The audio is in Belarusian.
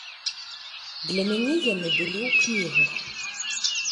Для мяне яны былі ў кнігах.